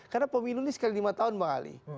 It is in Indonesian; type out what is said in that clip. karena pemilu ini sekali lima tahun bang ali